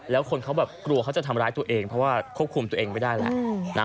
แล้วคนเขาแบบกลัวเขาจะทำร้ายตัวเองเพราะว่าควบคุมตัวเองไม่ได้แล้วนะ